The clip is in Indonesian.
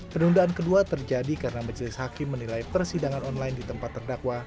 penundaan kedua terjadi karena majelis hakim menilai persidangan online di tempat terdakwa